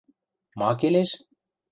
– Ма келеш?